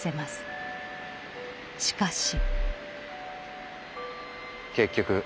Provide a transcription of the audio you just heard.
しかし。